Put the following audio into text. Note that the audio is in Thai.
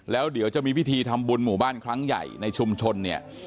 แล้วเดี๋ยวจะมีพิธีทำบุญหมู่บ้านครั้งใหญ่ในชุมชนเนี่ย